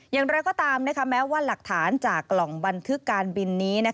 อย่างไรก็ตามแม้ว่าหลักฐานจากกล่องบันทึกการบินนี้